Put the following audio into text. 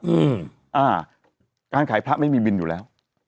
อืมอ่าการขายพระไม่มีบินอยู่แล้ว